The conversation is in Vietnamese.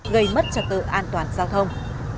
gây mất trật tự an toàn giao thông